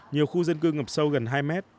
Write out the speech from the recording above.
nhiều khu dân cư ngập sâu gần hai mét